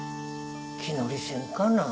気乗りせんかな？